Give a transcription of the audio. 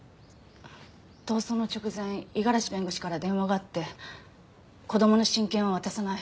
逃走の直前五十嵐弁護士から電話があって子供の親権は渡さない。